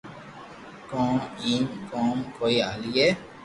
ڪونڪہ ايم ڪوم ڪوئي ھالئي